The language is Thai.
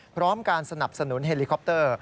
พร้อมการสนับสนุนเฮลิคอปเตอร์